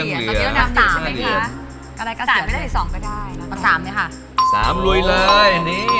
๕เหรียญตอนนี้เรามี๓เหรียญ